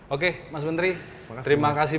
oke mas menteri terima kasih